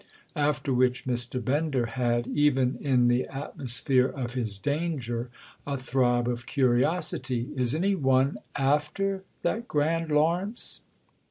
'" After which Mr. Bender had, even in the atmosphere of his danger, a throb of curiosity. "Is any one after that grand Lawrence?"